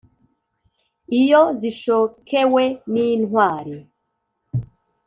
iyo zishokewe n'intwari